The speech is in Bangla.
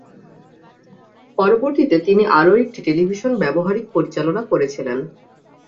পরবর্তীতে তিনি আরও একটি টেলিভিশন ধারাবাহিক পরিচালনা করেছিলেন।